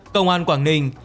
công an quảng ninh